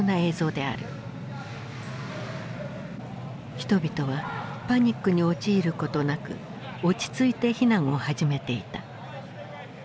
人々はパニックに陥ることなく落ち着いて避難を始めていた。